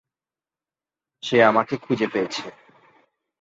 সে আমাকে খুজে পেয়েছে!